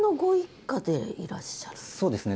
そうですね。